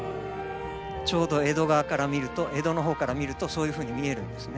ちょうど江戸側から見ると江戸の方から見るとそういうふうに見えるんですね。